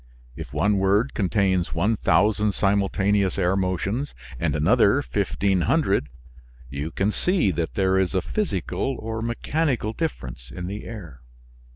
If one word contains 1000 simultaneous air motions and another 1500 you can see that there is a physical or mechanical difference in the air.